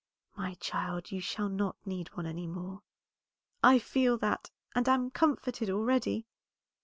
"My child, you shall not need one any more." "I feel that, and am comforted already.